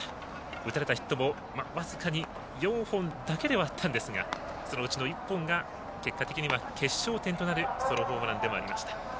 打たれたヒットも僅かに４本だけだったんですがそのうちの１本が結果的には決勝点となるソロホームランでもありました。